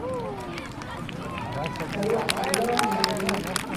好核突囉你